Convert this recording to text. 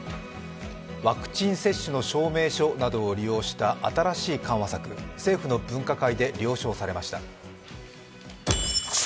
ワクチン接種の証明書などを利用した新しい緩和策、政府の分科会で了承されました。